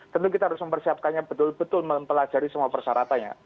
tentu kita harus mempersiapkannya betul betul mempelajari semua persyaratannya